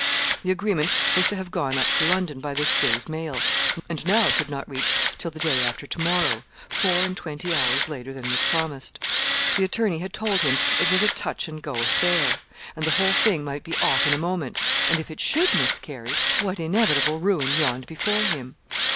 The agreement was to have gone up to London by this day's mail, and now could not reach till the day after to morrow four and twenty hours later than was promised. The attorney had told him it was a 'touch and go affair,' and the whole thing might be off in a moment; and if it should miscarry what inevitable ruin yawned before him?